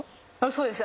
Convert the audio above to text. そうです。